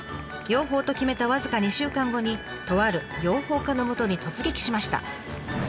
養蜂と決めた僅か２週間後にとある養蜂家のもとに突撃しました。